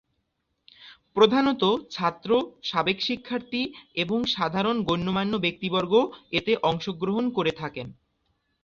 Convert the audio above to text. প্রধানতঃ ছাত্র, সাবেক শিক্ষার্থী এবং সাধারণ গণ্যমান্য ব্যক্তিবর্গ এতে অংশগ্রহণ করে থাকেন।